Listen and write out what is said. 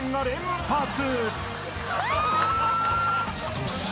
［そして］